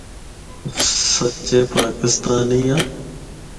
سچے پاکستانی آں۔